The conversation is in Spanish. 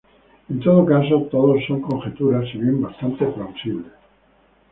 En todo caso, todo son conjeturas, si bien bastante plausibles.